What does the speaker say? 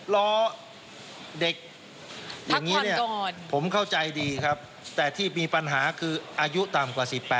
ล้อเด็กอย่างนี้เนี่ยผมเข้าใจดีครับแต่ที่มีปัญหาคืออายุต่ำกว่า๑๘